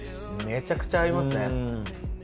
めちゃくちゃ合いますね。